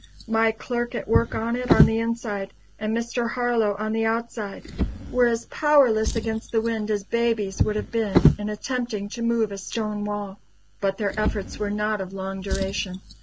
My clerk at work on it on the inside and Mr. Harlow on the outside, were as powerless against the wind as babies would have been in attempting to move a stone wall. "But their efforts were not of long duration.